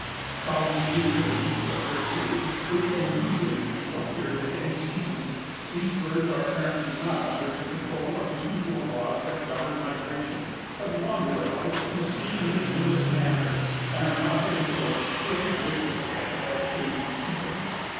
Probably due to the nature of their food, which can usually be procured in any season, these birds are apparently not under the control of the usual laws that govern migration, but wander about in a seemingly aimless manner and are not influenced to any great extent by the changing seasons.